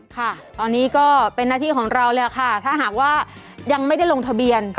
ค่ะตอนนี้ก็เป็นหน้าที่ของเราเลยค่ะถ้าหากว่ายังไม่ได้ลงทะเบียน